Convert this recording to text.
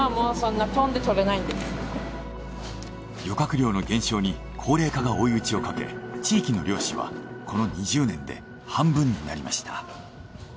漁獲量の減少に高齢化が追い打ちをかけ地域の漁師はこの２０年で半分になりました。